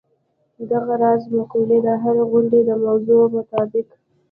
دغه راز مقولې د هرې غونډې د موضوع مطابق.